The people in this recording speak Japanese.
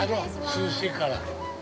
涼しいから。